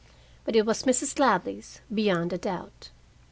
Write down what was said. But it was Mrs. Ladley's, beyond a doubt.